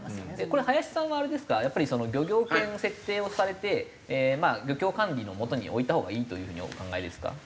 これ林さんはあれですかやっぱり漁業権の設定をされて漁協管理のもとに置いたほうがいいという風にお考えですか？